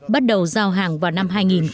bắt đầu giao hàng vào năm hai nghìn một mươi